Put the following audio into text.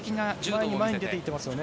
前に前に出て行ってますよね。